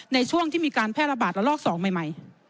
ในช่วงที่มีการแพร่ระบาดระลอก๒ใหม่